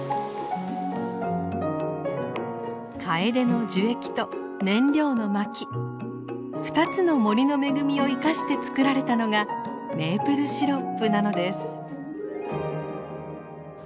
カエデの樹液と燃料の薪２つの森の恵みを生かして作られたのがメープルシロップなのです。